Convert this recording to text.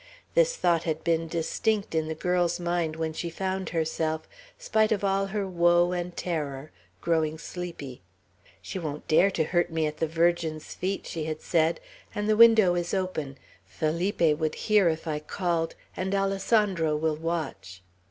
This thought had been distinct in the girl's mind when she found herself, spite of all her woe and terror, growing sleepy. "She won't dare to hurt me at the Virgin's feet," she had said; "and the window is open. Felipe would hear if I called; and Alessandro will watch."